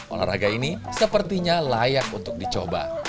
olahraga ini sepertinya layak untuk dicoba